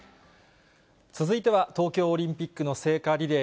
続いては東京オリンピックの聖火リレー